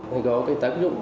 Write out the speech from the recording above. thì có cái tác dụng